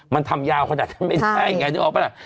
มันทำยาวขนาดนั้นไม่ได้ไงนึกออกปะล่ะ